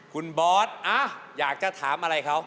คุณบอสอยากจะถามอะไรเขา